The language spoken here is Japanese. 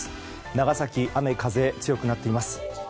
長崎、雨風強くなっています。